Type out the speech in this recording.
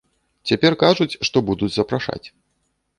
Цяпер кажуць, што будуць запрашаць.